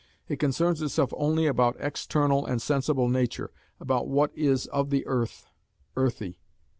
It concerns itself only about external and sensible nature, about what is "of the earth, earthy."